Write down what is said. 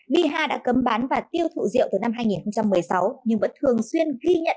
biha đã cấm bán và tiêu thụ rượu từ năm hai nghìn một mươi sáu nhưng vẫn thường xuyên ghi nhận